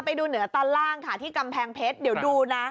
เหนือตอนล่างค่ะที่กำแพงเพชรเดี๋ยวดูนะ